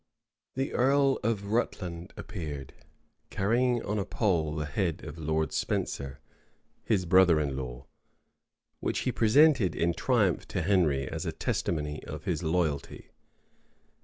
The earl of Rutland appeared, carrying on a pole the head of Lord Spenser, his brother in law, which he presented in triumph to Henry as a testimony of his loyalty.